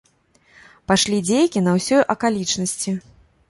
Пайшлі дзейкі на ўсёй акалічнасці.